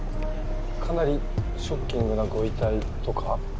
かなりショッキングなご遺体とか？